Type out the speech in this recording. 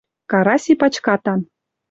Караси пачкатан